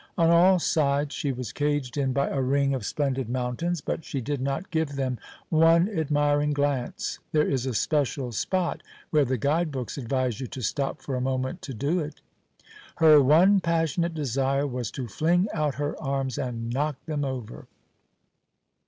On all sides she was caged in by a ring of splendid mountains, but she did not give them one admiring glance (there is a special spot where the guide books advise you to stop for a moment to do it); her one passionate desire was to fling out her arms and knock them over.